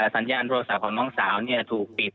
สัญญาณรถสาวของน้องสาวถูกปิด